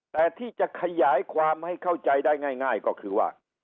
แต่ที่จะขยายความให้เข้าใจได้ง่ายก็คือว่า